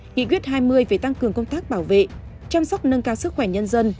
nghị quyết hai mươi về tăng cường công tác bảo vệ chăm sóc nâng cao sức khỏe nhân dân